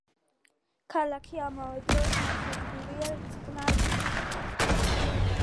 ქალაქი ამავე დროს ნავსადგურია წყნარ ოკეანეზე.